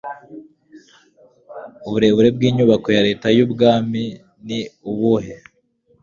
Uburebure bw'inyubako ya Leta y'Ubwami ni ubuhe?